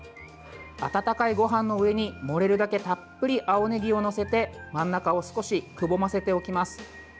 温かいごはんの上に、盛れるだけたっぷり青ねぎを載せて真ん中を少しくぼませておきます。